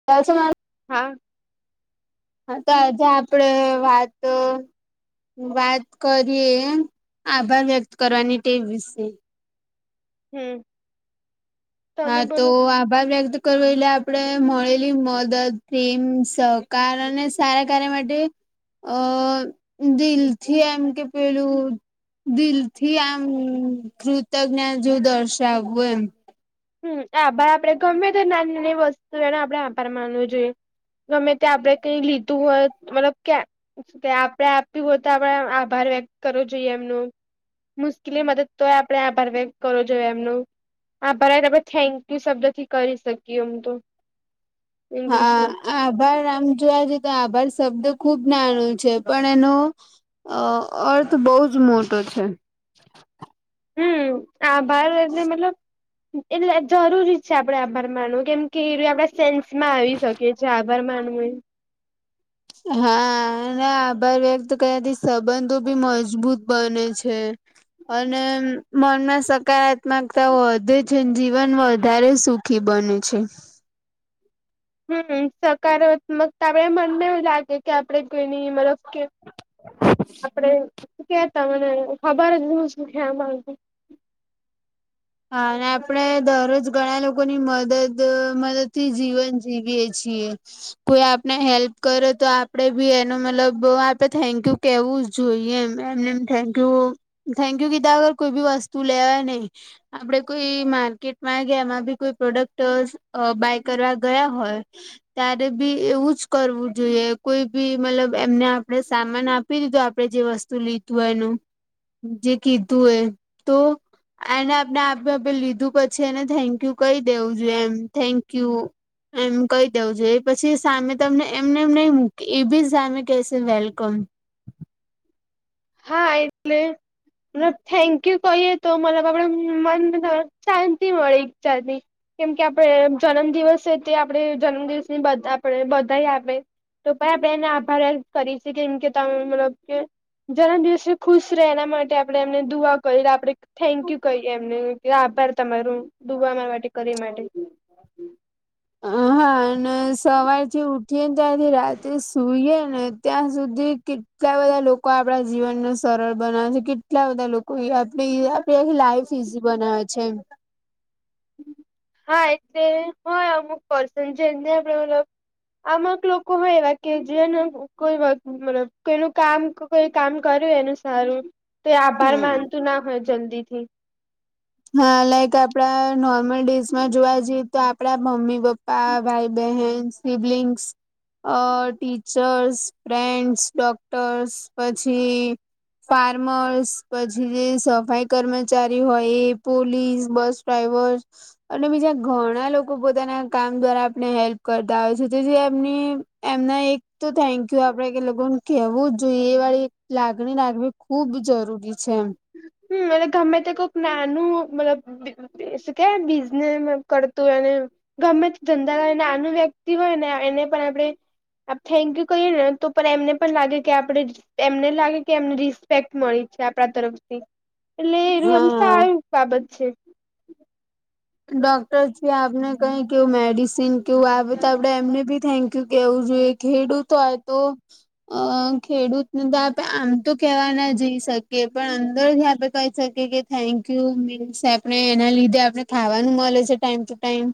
[unintelligible] હા તો, આજે આપડે વાત- -વાત કરીએ, આભાર વ્યક્ત કરવાની ટેવ વિશે. હમ્મ હા, તો આ- આભાર વ્યક્ત કરવો એટલે, આપણે મળેલી મદદ, પ્રેમ, સહકાર અને- -સારા કાર્ય માટે અ દિલથી એમ કે પેલું- -દિલ થી આમ, કૃતજ્ઞા જેવું દર્શાવવું એમ. હમ્મ, આભાર આપડે ગમે તે નાની નાની વસ્તુ, એને આપડે આભાર માનવો જોઈએ. ગમે ત્યાં આપડે કઈ લીધું હોય, મતલબ ક્યા- -કે આપડે આપ્યું હોય, તો આપડે આભાર વ્યક્ત કરવો જોઈએ એમનો. મુશ્કેલી મદદ તોય, આપડે આભાર વ્યક્ત કરવો જોઈએ એમનું. પણ આપડે, થેન્ક યુ શબ્દ થી કરી શકીએ. એમ તો- હા, ઇંગ્લિશમાં આભાર આમ જોવા જએ તો, આભાર શબ્દ ખુબ નાનું છે. પણ એનું- અ અર્થ બહુ જ મોટો છે. હમ્મ, આભાર એટલે મતલબ- એટલે જરૂરી છે. આપડે આભાર માનવો, કેમ કે એ રયુ આપણે સેન- - સ માં આવી શકે છે. આભાર માનવુંય- હા, ને આભાર વ્યક્ત કર્યાથી, સંબંધો બી મજબૂત બને છે. અને, મનમાં સકારા- -સકારાત્મકતા વધે છે, અને જીવન વધારે સુખી બને છે. હમ, સકારાત્મકતા આપણે મનને એવું લાગે કે, આપણે કોઈની મતલબ કે- આપણે, શું કહેવાય! તમને ખબર જ શું સીખ્યા [unintelligible] હા, અને આપણેે દરરોજ ઘણા લોકોની મદદ મદદ થી જીવન જીવીએ છીએ. કોઈ આપને હેલ્પ કરે તો, આપણે એનો મતલબ થેન્ક યુ કેવું જ- જોઈએ એમ, એમને એમ થેન્ક યુ થેન્ક યુ કીધા વગર કોઈ બી વસ્તુ લેવાય નહીં. આપણે કોઈ માર્કેટમાં ગયા, એમાં બી કોઈ પ્રોડક્ટ બાય કરવા ગયા હોય! ત્યારે બી એવું જ કરવું જોઈએ. કોઈ બી મતલબ એમને આપણે સામાન આપ- આપી દીધું આપણે જે વસ્તુ લીધું હોય એનું. જે કીધું હોય એ, તો એને આપ- ને આપણે આપણે લીધું પછી, એને થેન્ક યુ કઈ દેવું જોઈએ. એમ, થેન્ક યુ. એમ કઈ દેવું જોઈ એ. પછી સામે તમને એમ ને એમ નહી મૂકે, એ બી સામે કેશે વેલકમ. હા, એટલે- થેન્ક યુ કહીએ તો મતલબ આપણ મનને શાંતિ મળે એક જાતની. કેમ કે આપણે જન્મદિવસ છે તે આપણે જન્મદિવસ ની આપણે બધાઈ આપે. તો ક્યાં બે ના આપણેને આભાર કરી છે કેમ કે તમે મતલબ કે જન્મ દિવસે ખુશ રહે એના માટે આપણે એમને દુઆ કરી આપણે થેન્ક યુ કહી એમને આભાર તમારો દુઆ અમારા માટે કરી માટે. હા અને સવારથી ઉઠીએ ને ત્યાંથી રાતે સુઈએ ને ત્યાં સુધી કેટલા બધા લોકો આપણા જીવનને સરળ બનાવે છે કેટલા બધા લોક કોઈ આપે આપે આખી લાઈફ ઈઝી બનાવે છે એમ. હા એટલે હોય અમુક પર્સન છે જ ને આપણે મતલબ અમુક લોકો એવા કે જેને કોઈ મતલબ કોઈનું કામ કોઈ કામ કર્યું એનું સારું તો એ આભાર માનતું ના હોય જલ્દી થી. હા લાઈક આપણા નોર્મલ ડેજમાં જોવા જઈએ તો આપણા મમ્મી પપ્ પા, ભાઈ, બહેન, સિબલિંગ્સ અ ટીચર્સ, ફ્રેન્ડ્સ, ડોક્ટરસ પછી ફાર્મર્સ પછી જે સફાઈ કર્મચારી હોય એ પોલીસ, બસ ડ્રાઈવર અને બીજા ઘણા લોક બધાના પોતાના કામ દ્વારા આપણે હેલ્પ કરતા હોય છે થી એમ એમના એક તો થેન્ક યુ આપણે કે એ લોકો ને કેવું જ જોઈએ એ વળી લાગણી લાગવી ખુબ જરૂરી છે. હમ્મ અને ગમે તે કોક નાનું મતલબ કે બિઝનેસ કરતું એને. ગમે તે ધંધાય ને આનું વ્યક્તિ હોય ને એને પણ આપણે આપ થેન્ક યુ કહીએ ને એમને પણ લાગે કે આપણે એમને લાગે કે એમને રિસ્પેક્ટ મળી છે આપણા તરફ થી એટલે એનું એમ હા સારી બાબત છે. ડોક્ટર છે આપને કઈ કેવું મેડિસિન કેવું આવે તો આપણે એમને બી થેન્ક કહેવું જોઈએ ખેડૂત હોય તો અ ખેડૂતને તો આપે આમ તો કહેવા ના જઈ શકીએ પણ અંદરથી આપે કહી શકીએ કે થેન્ક યુ મિન્સ આપણે એના લીધે આપણે ખાવાનું મળે છે ટાઈમ ટુ ટાઈમ.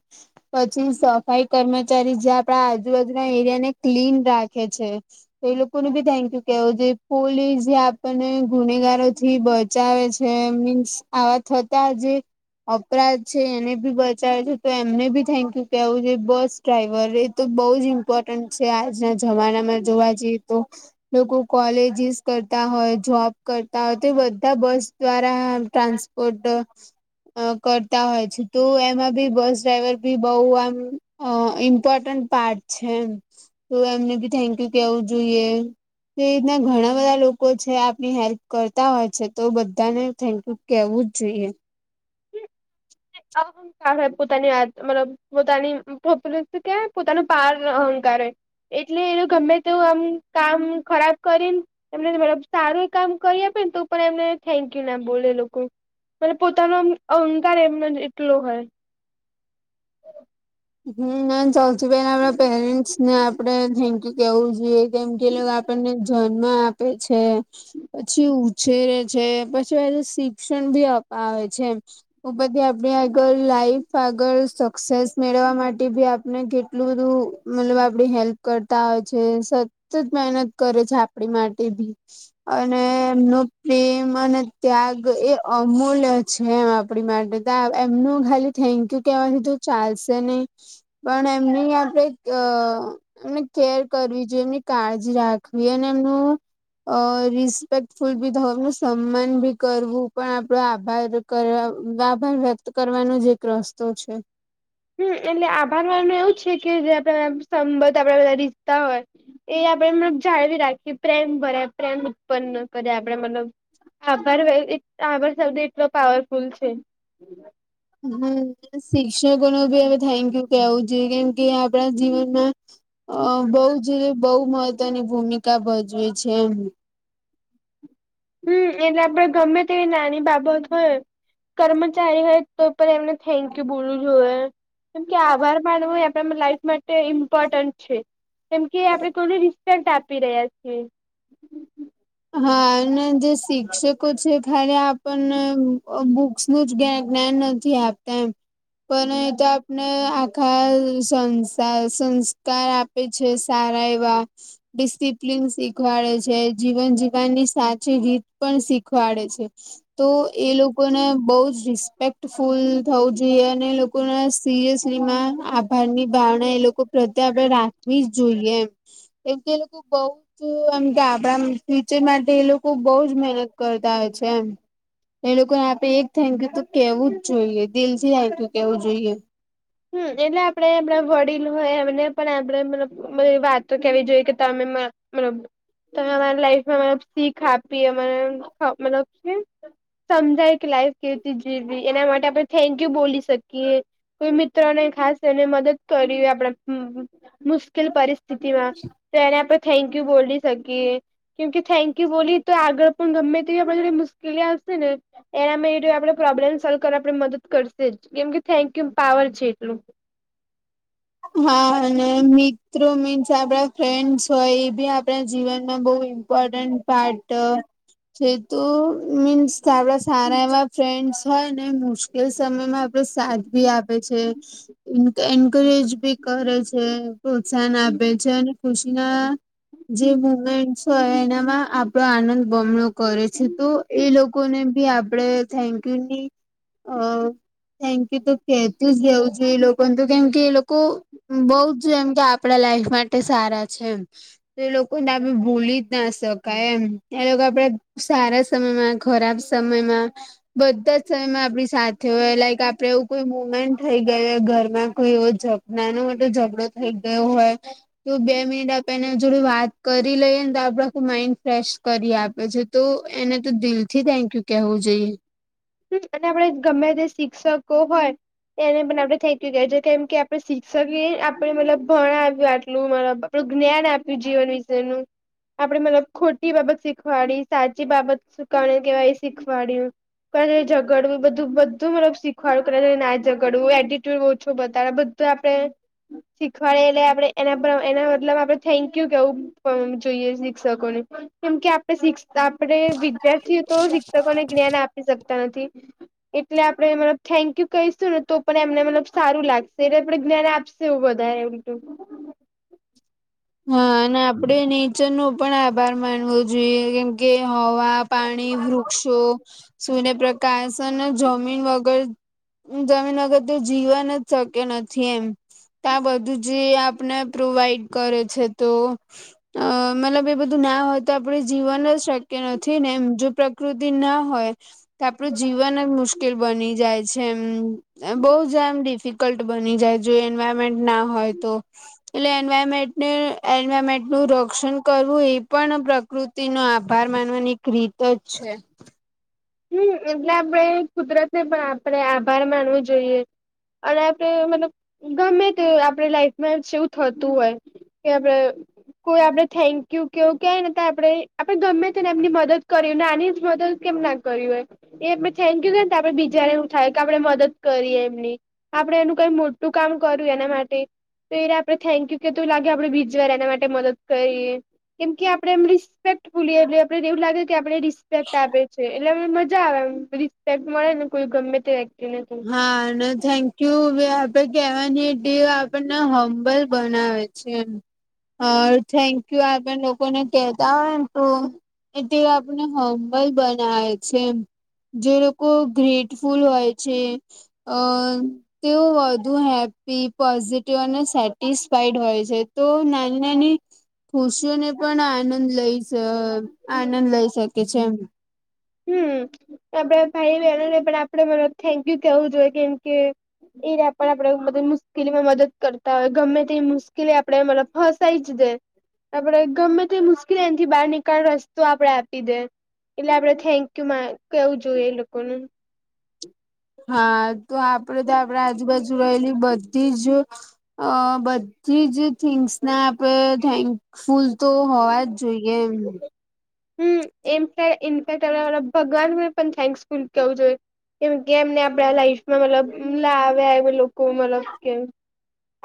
પછી સફાઈ કર્મચારી જે આપણા આજુબાજુના એરિયા ને ક્લીન રાખે છે. તો એ લોકોનું બી થેન્ક યુ કેવું જો પોલીસ જે આપણને ગુનેગારો થી બ બચાવે છે, મીન્સ આવા થતા જે અપરાધ છે એને બી બચાવે છે તો એમને બી થેન્ક યુ કેવું જોઈએ બસ ડ્રાઈવરે. તો બહુ જ ઇમ્પોર્ટન્ટ છે આજના જમાનામાં જોવા જઈએ તો. લોકો કોલેજીસ કરતા હોય, જોબ કરતા હોય તો બધા બસ દ્વારા ટ્રાન્સ તો ટ કરતા હોય છે તો એમાં બી બસ ડ્રાઈવર ભી બઉ આમ અ ઇમ્પોર્ટન્ટ પાર્ટ છે એમ તો એમને ભી થેન્ક યુ કેવું જોઈએ. એ રીતના ઘણા બધા લોકો છે આપની હેલ્પ કરતા હોય છે તો બધાને થેન્કયુ કેહવુ જ જોઈએ. [inaudible] પોતાની વાત મતલબ પોતાની પો ક પોતાનું પાર અહંકારે. એટલે એ ગમે તે આમ કામ ખરાબ કરીને એમને મબ સારું એ કામ કરી આપે ને તો પણ એમને થેન્કયુ નામ બોલે લોકો. પણ પોતાનો અહંકાર એમ એટલો હોય. હમ્મ, નામ ચાલ છ પેલા આપણા પેરેન્ટ્સ ને આપડે થેન્ક યુ. કેવું જોઈએ કેમ કે લોકો આપણને જન્મ આપે છે. પછી ઉછેરે છે પછી શિક્ષણ ભી અપાવે છે. બધી આપણે આગળ લાઈફ આગળ સક્સેસ મેળવવા માટે ભી આપને કેટલું બધું મતલબ આપડી હેલ્પ કરતા હોય છે. જ મહેનત કરે છે આપણી માટે ભી અને એમનો પ્રેમ અને ત્યાગ એ અમૂલ્ય છે એમ આપડી માટે તો એમનું ખાલી થેન્કયુ કેવાથીીધું ચાલશે નહી. પણ એમની આપડણે અ એમને કેર કરવી જોઈએ એમની કાળજી રાખવી અને એમનું અ રિસ્પેક્ટફુલ બી થવનું સન્માન બી કરવું પણ આપડો આભાર. આભાર વ્યક્ત કરવાનો જ એક રસ્તો છે. હમ એટલે આભારવાન છે કે જે આપે સંબંધ આપડે બધા રીતતા હોય. એ આપણેે મતલબ જાળવી રાખીએ પ્રેમ ભરે પ્રેમ ઉત્પન્ન કરે આપણેે મતલબ આભાર આભાર શબદ એટલો પાવરફુલ છે. હા શિક્ષકો ન ભી અ થેન્કયુ કેવું જોઈએ કેમ કે આપણા જીવનમાં અ બહુ જ બહુ મહત્વની ભૂમિકા ભજવે છે એમ. હમ એટને આપડે ગમે તેવી નાની બાબત હોય. કર્મચારી હોય તો પણ એમને થેન્ક યુ બોલવું જોઈએ. કેમકે આભાર માનવો એ આપણા લાાઈફ માટે ઇમ્પોર્ટન્ટ છે. કેમ કે આપડણે થોડી રિસ્પેક્ટ આપી રહ્યા છીએ. હા અને જે શિક્ષકો છે ખાલી આપણને બુક પ નું જ જ્ઞાન નથી આપતા એમ પણ તો ને આખા સંસ સંસ્કાર આપે છે સારા એવા. ડિસિપ્લન શીખવાડે છે જ. જીવન જીવની સાચી રીત પણ શીખવાડે છે તો એ લોકો લોકોને બહુ જ રિસ્પેક્ટફુલ થવું જોઈએ અને લોકોને સિરિયસલી માં ાર ની ભાવના એ લોકો પ્રત્યે આપણે રાખવી જ જોઈએ એમ. એમ કે એ લોકો બઉત એમ ગાબડા ફ્યીચર માટે એ લોકો મહેનત કરતા છે એમ. એ લોકોને આપે એક થેન્ક યુ તો કેવું જ જોઈએ દિલ થી થકયુ કેવું જોઈએ. હમ એટલે આપે આપણા વડીલ હોય એમને પણ આપણેે મલબ વાતો કેવી જોઈએ કે તમે બમે અરી લાઈમાં શીખ આપીબ સમજાય કે લાઈ કેતી જે એના માટે આપણે થેન્ક યુ બોલી શકીએ કોઈ મિત્ર મને ખાસ એને મદદ કરી આપણે મુશ્કેલ પરિસ્થિતિમાં તો એને આપડણે થેન્ક યુ બોલી શકીએ. કેમકે થેન્ક યુ બોલી તો આગળ પણ ગમે તેવી આપ ઘ મુશ્કેલી આવશે ને. એનામાં એ આપડે પ્રોબ્લેમ સોલ્વ કરવા આપડે મદદ કરશે જ કેમ કે થેન્ક યુ પાવર છે એટલું હા અને મિત્રો મીન્સ આપડા ફ્રેન્ડ્સ હોય એ બી આપણા જીવનમાં બહુ [inaudible] છે તો મીન્સ આપડા સારા એવા ફ્રેન્ડસ હોય ને મુશ મુશ્કેલ સમયમાં આપડે સાથ ભી આપે છે, એન્કરેજ ભી કરે છે, પ્રોત્સાહન આપે છે અને ખુશીના જે હમ, મુમેન્ટ તો એનામાં આપણો આનંદ બમણો કરે છે તો એ લોકોને બી આપણેે થેન્ક યુની થેગકયુ કેમ કે તો કેતું જ જવું છે એ લોકોને તો કેમ કે એ લોકો કો બહુ જ જેમ કે આપડા લાઈફ માટે સારા છે એમ. તો એ લોકોને ભૂલી જ ના શકાય એમ, એ લોકો આપડા સારા સા સમયમાં ખરાબ સમયમાં બધા જ સમયમાં આપણી થે હોય લાઈક આપડે એવું કોઈ મુમેન્ટ થઈ ગયું ઘરમાં કોઈ એવો જગ નાનો મોટો ઝઘડો થઇ ગયો હોય, તો બે મિનિટ આપ એના જોડે વાત લઈએ ને તો આપડે માઈન્ડ ફ્રેશ કરી આપે છે તો એને તો દિલથી થેન્કયુ કેહવું જોઈએ. અને આપડે ગમે તે શિક્ષકો હોય, એને પણ આપણે થેંકયુ કે છે કેમ કે આપડે શિક્ષકે આપણે મતલબ ભણાવ્યું આટલું મબ આપણું જ્ઞાન આપ્યું જીવન વિશેનું. આપડે મતલબ ખોટી બાબત શીખવાડી, સાચી બાબત શકાણી કેવાય શીખવાડ્યું. કારણ કે ઝગડવું બધું બધું મતલબ શીખવાડ્યું, ના ઝગડવું, એડિટ્યુડ ઓછો બતાવે, તો આપડે શીખવાડે એટલે આપણે એના પર એના મતલબ આપણે થેંક્યૂ કેવું જોઈએ શિક્ષકોને. કેમ કે આપણે શિક્ આપણે વિદ્યાર્થીઓ તો શિક્ષકોને જ્ઞાન આપી શકતા નથી. એટલે આપણે મતલબ થેન્કયુ કહીશું ને તો પણ મતલબ સારું લાગશે કે આપડે જ્ઞાન આપ શું વધારે [unintelligible] [inaudible] [unintelligible] હા અને આપડે નેચરનો પણ આભાર માનવો જોઈએ કેમ કે હવા, પાણી, વૃક્ષો, સૂર્યપ્રકાશ અને જમીન વગર જમીન વગર તો જીવન જ શક્ય નથી એમ. તો આ બધું જે આપને પ્રોવાઈડ કરે છે તો, અ મતલબ એ બધું ના હોય તો આપડે જીવન જ શક્ય નથી ને એમ જો પ્રકૃતિ ના હોય તો આપણું જીવન જ મુશ્કેલ બની જાય છે એમ. બહુ જ એમ ડિફિકલ્ટ બની જાય, જો એન્વાયરમેન્ટ ના હોય તો એટલે એન્વાયરમેન્ટ ને એન્વાયરમેન્ટનું રક્ષણ કરવું એ પણ પ્રકૃતિનો આભાર માનવાની ક્રીત જ છે. હમ એટલે આપણે કુદરતને પણ આપણે આભાર માનવો જોઈએ. અને આપણે મતલબ ગમે તે આપણે લાઈફમાં જેવું થતું હોય. કે આપણે કોઈ આપણે થેન્કયુ કેવું કેય ને તો આપણેે આપણે ગમે તેને એમની મદદ કર્યું નાની જ મદદ કેમ ના કર્યું હોય, એ આપને થેન્કયુ કેઇ તો આપડે બીજાને એવુ થાય કે આપડે મદદ કરીએ એમની. આપણે એનું કઈ મોટું કામ કર્યું એના માટે તો એને આપણે થેન્કયુ કે તો લાગે આપડે બીજવાર એના માટે મદદ કરીએ, કેમ કે આપડે એમ રિસ્પેક્ટ ફૂલી એટલે આપને એવું લાગે કે આપણને રિસ્પેક્ટ આપે છે. એટલે એમને મજા આવે એમ, રિસ્પેક્ટ મળે ને કોઈ ગમે તેને. હા અને થેન્કયુ બી આપડે કેહેવાની ટેવ આપણને હંબલ બનાવે છે, અ થેન્ક યુ આપે લોકોને કેતા હોય ને તો તે આપણને હંમલ બનાવે છે એમ. જે લોકો ગ્રેટફુલ હોય છે અ તેઓ વધુ હેપ્પી પોઝિટિવ અને સેટિસફાઈડ હોય છે તો નાની નાની ખુશીઓને પણ આનંદ લઈ આનંદ લઈ શકે છે એમ. હમ આપડે ભાઈ બહેનોને પણ આપડે મતલબ થેન્ક યુ કેવું જોઈએ કેમ કે એ પણ આપડે બધે મુશ્કેલીમાં મદદ કરતા હોય ગમે તે મુશ્કેલી આપડે મતલબ ફસાઈ જ દે. આપડે ગમે તે મુશ્કેલી એથી બહાર નીકાળ રસ્તો આપડે આપી દે એટલે આપડે થેન્ક યુ મા કેવું જોયું એ લોકોનું હા તો આપડે તો આપણા આજુબાજુ રહેલી બધી જ અ બધી જ થિંગ્સને આપે થેન્ક ફૂલ તો હોવાજ જોઈએ એમ હમ એમ ઇનફેક્ટ ભગવાનને પણ થેન્ક્સફુલ કેવું જોઈએ કેમ કે એમને આપડા લાઈફમાં મતલબ આવ્યા લોકો મતલબ કેમ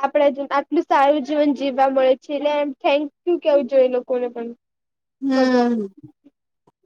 આપણા આટલું સારું જીવન જીવવા મળે છે એટલેમ થેન્ક યુ કેવું જોઈએ લોકોને પણ ભગવાન હમ